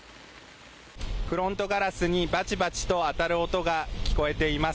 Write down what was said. フロントガラスにばちばちと当たる音が聞こえています。